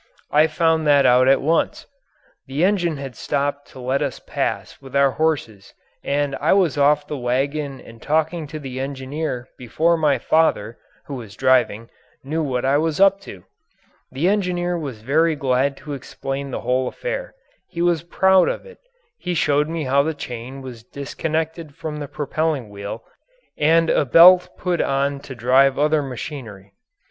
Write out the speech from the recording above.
I found that out at once. The engine had stopped to let us pass with our horses and I was off the wagon and talking to the engineer before my father, who was driving, knew what I was up to. The engineer was very glad to explain the whole affair. He was proud of it. He showed me how the chain was disconnected from the propelling wheel and a belt put on to drive other machinery.